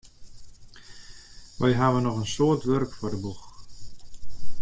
Wy hawwe noch in soad wurk foar de boech.